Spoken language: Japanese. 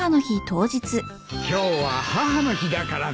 今日は母の日だからな。